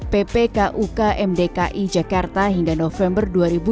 ppkukm dki jakarta hingga november dua ribu dua puluh